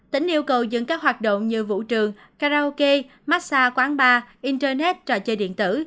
tỉnh yêu cầu dừng các hoạt động như vũ trường karaoke massage quán bar internet trò chơi điện tử